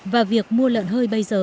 và việc mua lợn hơi bây giờ